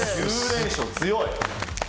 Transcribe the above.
９連勝、強い。